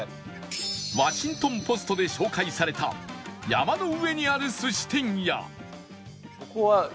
『ワシントン・ポスト』で紹介された山の上にある寿司店や